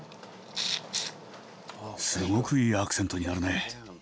すごくいいアクセントになるね。